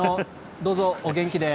どうぞお元気で。